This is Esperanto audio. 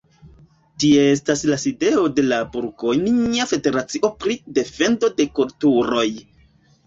Tie estas la sidejo de la burgonja federacio pri defendo de kulturoj.